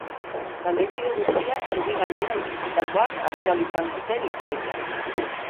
Taldekide guztiak zubi gainera iritsitakoan hartu ahal izan zuten ikurrina.